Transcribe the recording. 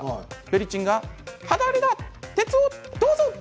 フェリチンが肌荒れだ、鉄をどうぞ。